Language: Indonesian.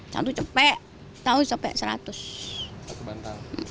satu cepat satu cepat seratus